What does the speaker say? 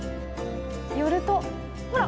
寄るとほら！